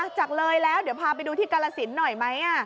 จากเลยแล้วเดี๋ยวพาไปดูที่กาลสินหน่อยไหม